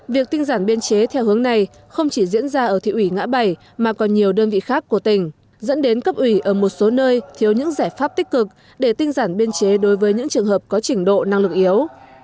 việc tinh giản biên chế theo hướng này không chỉ diễn ra ở thị ủy ngã bảy mà còn nhiều đơn vị khác của tỉnh dẫn đến cấp ủy ở một số nơi thiếu những giải pháp tích cực để tinh giản biên chế đối với những trường hợp có trình độ năng lực yếu